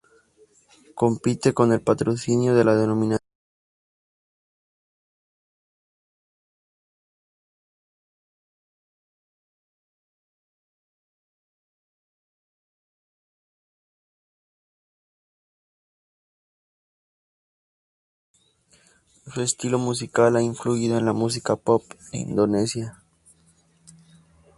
Su estilo musical ha influido en la música pop de Indonesia.